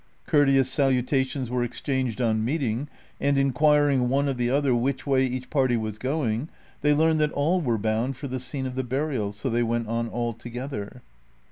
Courteous salutations were exchanged on meeting, and inquiring one of the other which way each party was going, they learned that all were bound for the scene of the burial, so they went on all together.